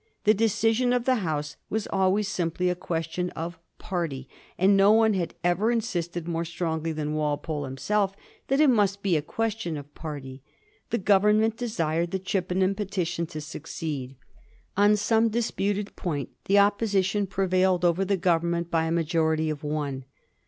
The decision of the House was always simply a question of party; and no one had ever insisted more strongly than Walpole himself that it must be a question of party. The Government desired the Chippenham petition to succeed. On some disputed 190 ^ HISTORT OF THE FOUB GEORGES. CH.xxznL point the Opposition prevailed over the Government by a majority of one.